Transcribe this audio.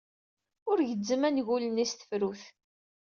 Ur gezzem angul-nni s tefrut.